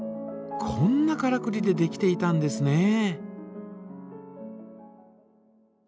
こんなからくりでできていたんですね。